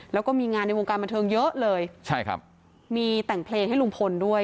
แล้วก็มีงานในวงการบันเทิงเยอะเลยใช่ครับมีแต่งเพลงให้ลุงพลด้วย